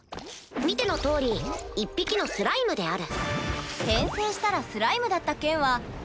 見てのとおり１匹のスライムである。